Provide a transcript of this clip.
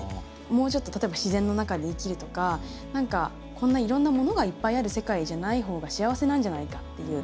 もうちょっと例えば自然の中で生きるとか何かこんないろんなものがいっぱいある世界じゃないほうが幸せなんじゃないかっていう。